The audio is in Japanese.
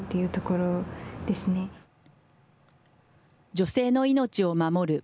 女性の命を守る。